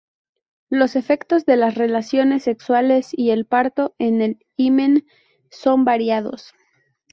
Los efectos de las relaciones sexuales y el parto en el himen son variados.